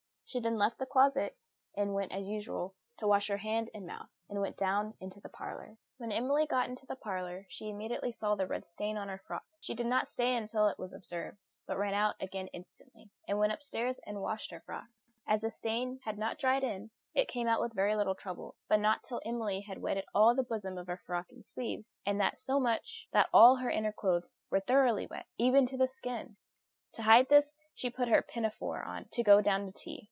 She then left the closet, and went, as usual, to wash her hands and mouth, and went down into the parlour. When Emily got into the parlour, she immediately saw the red stain on her frock. She did not stay till it was observed, but ran out again instantly, and went upstairs and washed her frock. As the stain had not dried in, it came out with very little trouble; but not till Emily had wetted all the bosom of her frock and sleeves, and that so much that all her inner clothes were thoroughly wet, even to the skin; to hide this, she put her pinafore on to go down to tea.